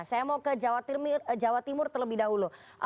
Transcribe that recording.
saya mau ke jawa timur terlebih dahulu